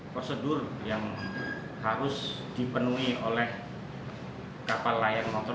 prosedur yang harus dipenuhi oleh kapal layang motor